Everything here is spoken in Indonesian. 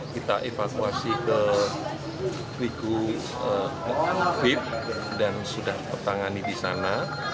kita evakuasi ke wiku wip dan sudah tertangani di sana